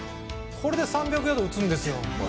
これで３００ヤード打つんですよ。